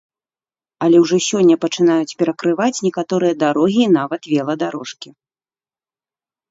Але ўжо сёння пачынаюць перакрываць некаторыя дарогі і нават веладарожкі.